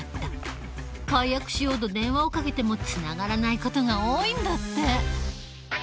解約しようと電話をかけてもつながらない事が多いんだって。